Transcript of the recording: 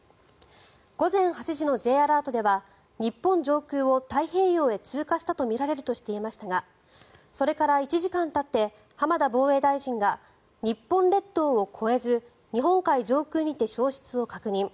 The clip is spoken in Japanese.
午前８時のＪアラートでは日本上空を太平洋へ通過したとみられるとしていましたがそれから１時間たって浜田防衛大臣が日本列島を越えず日本海上空にて消失を確認。